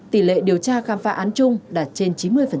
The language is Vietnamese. tỷ lệ điều tra khám phá án chung đạt trên chín mươi